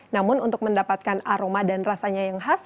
namun untuk mendapatkan aroma dan rasanya yang khas